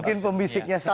mungkin pembisiknya salah